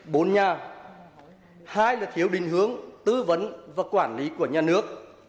bốn nhà hai là thiếu định hướng tư vấn và quản lý của nhà nước